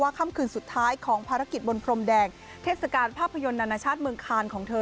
ค่ำคืนสุดท้ายของภารกิจบนพรมแดงเทศกาลภาพยนตร์นานาชาติเมืองคานของเธอ